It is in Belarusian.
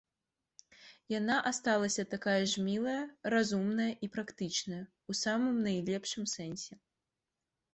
Яна асталася такая ж мілая, разумная і практычная ў самым найлепшым сэнсе.